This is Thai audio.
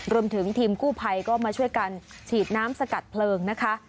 รวมถึงทีมกู้ภัยก็มาช่วยกันฉีดน้ำสกัดเพลิงนะคะ